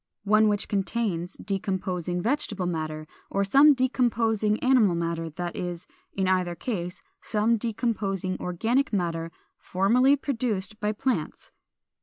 One which contains decomposing vegetable matter, or some decomposing animal matter; that is, in either case, some decomposing organic matter formerly produced by plants.